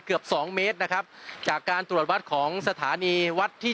เกือบสองเมตรนะครับจากการตรวจวัดของสถานีวัดที่